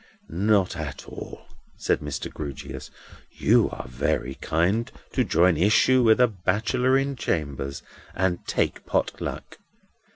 "Not at all," said Mr. Grewgious; "you are very kind to join issue with a bachelor in chambers, and take pot luck.